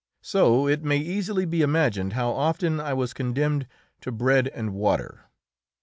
So it may easily be imagined how often I was condemned to bread and water.